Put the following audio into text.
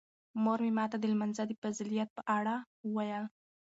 مور مې ماته د لمانځه د فضیلت په اړه وویل.